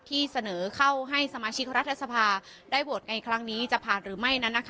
ที่เสนอเข้าให้สมาชิกรัฐสภาได้โหวตในครั้งนี้จะผ่านหรือไม่นั้น